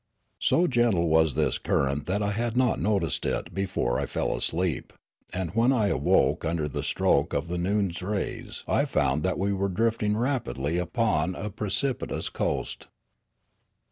So gentle was this current that I had not noticed it before I fell asleep ; and when I awoke under the stroke of the noon's rays I found that we were drifting rapidly upon a precipitous coast.